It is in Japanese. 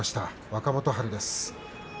若元春です。